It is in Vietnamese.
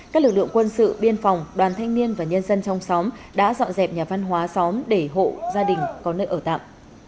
các lực lượng quân sự biên phòng đoàn thanh niên và nhân dân trong xóm đã dọn dẹp nhà văn hóa xóm để hộ gia đình có nơi ở tạm